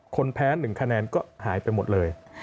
คนแพ้๑คะแนนก็หายไปหมดเลย